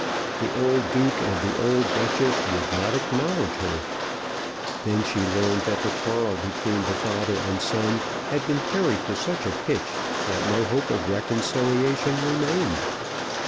The old Duke and the old Duchess would not acknowledge her. Then she learned that the quarrel between the father and son had been carried to such a pitch that no hope of reconciliation remained.